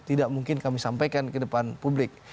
tidak mungkin kami sampaikan ke depan publik